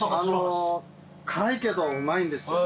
辛いけどうまいんです。